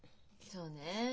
そうね。